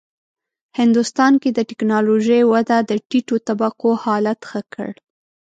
هندوستان کې د ټېکنالوژۍ وده د ټیټو طبقو حالت ښه کړ.